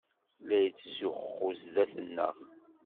La yettzuxxu zdat-neɣ.